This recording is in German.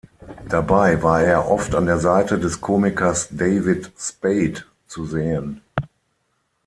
Dabei war er oft an der Seite des Komikers David Spade zu sehen.